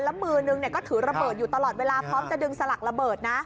แล้วมือนึงก็ถือระเบิดอยู่ตลอดเวลาพร้อมจะดึงสลักระเบิดนะ